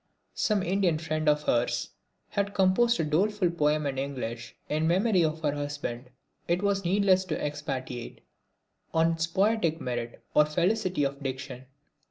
Some Indian friend of hers had composed a doleful poem in English in memory of her husband. It is needless to expatiate on its poetic merit or felicity of diction.